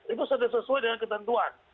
itu sudah sesuai dengan ketentuan